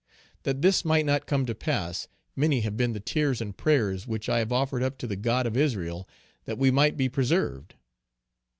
That this might not come to pass, many have been the tears and prayers which I have offered up to the God of Israel that we might be preserved.